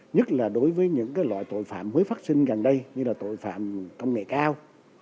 nhất là đối với những loại tội phạm mới phát sinh gần đây như là tội phạm công nghệ cao